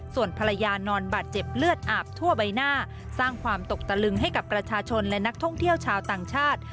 ส่วนภรรยานอนบาดเจ็บเลือดอาบทั่วใบหน้าสร้างความตกตะลึงให้กับประชาชนและนักท่องเที่ยวชาวต่างชาติ